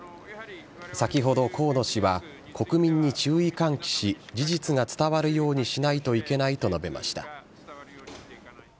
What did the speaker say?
先ほど河野氏は、国民に注意喚起し、事実が伝わるようにしないといけないと述べました。